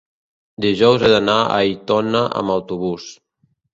dijous he d'anar a Aitona amb autobús.